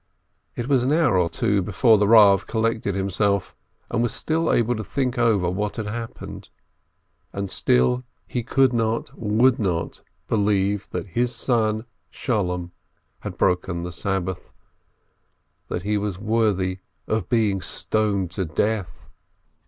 It was an hour or two before the Eav collected him self, and was able to think over what had happened. And still he could not, would not, believe that his son, Sholem, had broken the Sabbath, that he was worthy of being stoned to death.